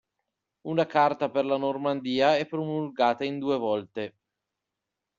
Una charta per la Normandia è promulgata in due volte.